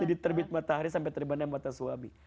jadi terbit matahari sampai terbenam mata suami